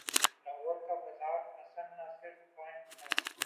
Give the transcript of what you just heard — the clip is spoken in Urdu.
لاہور کا بازار حسن نہ صرف قائم تھا۔